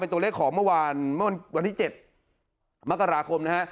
เป็นตัวเลขของเมื่อวานวันที่๗มกราคมนะฮะ